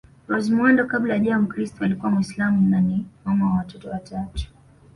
Rose Muhando kabla hajawa mkristo alikuwa Muislam na ni mama wa watoto watatu